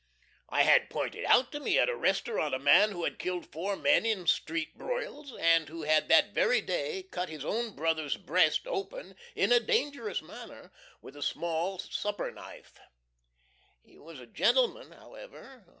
.... I had pointed out to me at a restaurant a man who had killed four men in street broils, and who had that very day cut his own brother's breast open in a dangerous manner with a small supper knife. He was a gentleman, however.